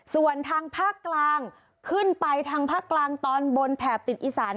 ส่วนทางภาคกลางขึ้นไปทางภาคกลางตอนบนแถบติดอีสาน